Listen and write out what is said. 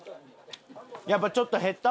やっぱちょっと減った？